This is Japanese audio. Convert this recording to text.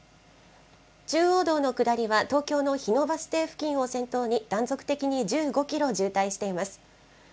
中央道の下りは東京の日野バス停付近を先頭に、断続的に１５キロ渋滞しています。